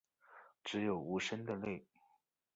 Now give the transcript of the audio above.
只有无声的泪